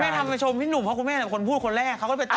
คุณแม่ทำให้ชมพี่หนุ่มเพราะคุณแม่เป็นคนพูดคนแรกเขาก็ได้ไปต่อยอด